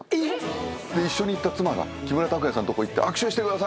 で一緒に行った妻が木村拓哉さんのとこ行って「握手してください！」